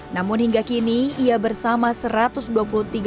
namun hingga kini ia bersama dengan suami dan kedua anaknya tinggal di dalam tenda